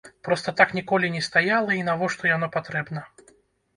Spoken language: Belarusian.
Проста так ніколі не стаяла і навошта яно патрэбна?